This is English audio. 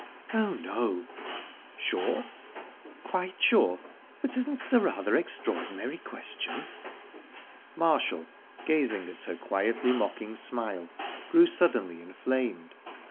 "Oh, no." "Sure?" "Quite sure. But isn't it a rather extraordinary question?" Marshall, gazing at her quietly mocking smile, grew suddenly inflamed.